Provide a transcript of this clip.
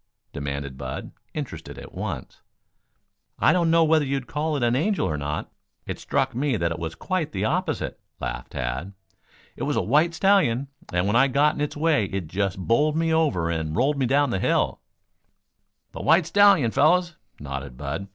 demanded Bud, interested at once. "I don't know whether you'd call it an angel or not. It struck me that it was quite the opposite," laughed Tad. "It was a white stallion, and when I got in its way it just bowled me over and rolled me down the hill " "The white stallion, fellows," nodded Bud.